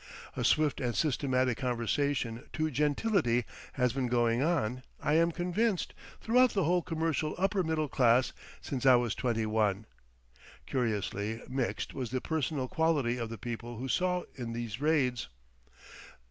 A swift and systematic conversion to gentility has been going on, I am convinced, throughout the whole commercial upper middle class since I was twenty one. Curiously mixed was the personal quality of the people one saw in these raids.